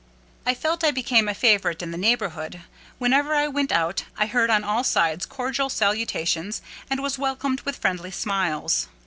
I felt I became a favourite in the neighbourhood. Whenever I went out, I heard on all sides cordial salutations, and was welcomed with friendly smiles.